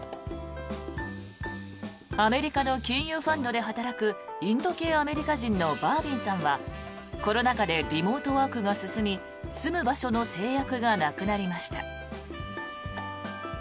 アメリカの金融ファンドで働くインド系アメリカ人のバービンさんはコロナ禍でリモートワークが進み住む場所の制約がなくなりました。